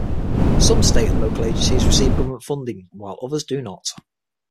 Some state and local agencies receive government funding, while others do not.